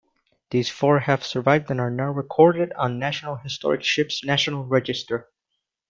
These four have survived and are now recorded on National Historic Ships' National Register.